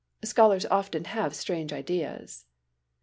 Scholars often have strange ideas.